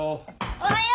・おはよう。